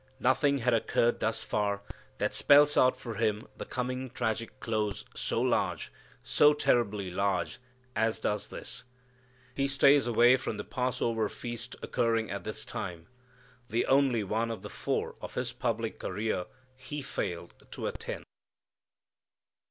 Nothing has occurred thus far that spells out for Him the coming tragic close so large, so terribly large, as does this. He stays away from the Passover Feast occurring at this time, the only one of the four of His public career He failed to attend.